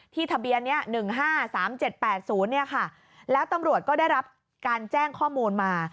ทะเบียนนี้๑๕๓๗๘๐แล้วตำรวจก็ได้รับการแจ้งข้อมูลมา